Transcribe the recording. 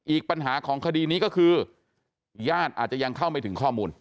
อีกปัญหาของคดีนี้ก็คือญาติอาจจะยังเข้าไม่ถึงข้อมูล